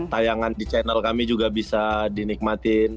tayangan di channel kami juga bisa dinikmatin